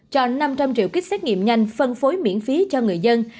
cho năm trăm linh triệu kích xét nghiệm nhanh phân phối miễn phí cho người dân